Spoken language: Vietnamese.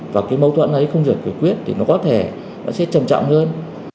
mâu thuẫn ấy không rời khởi quyết thì nó có thể sẽ trầm trọng hơn